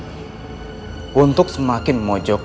dengan areas khasubardana